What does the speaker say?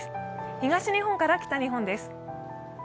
東日本から北日本です。